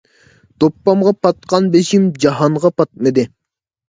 دوپپىغا پاتقان بېشىم جاھانغا پاتمىدى.